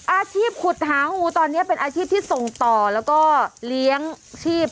อาชีพขุดหางูตอนนี้เป็นอาชีพที่ส่งต่อแล้วก็เลี้ยงชีพ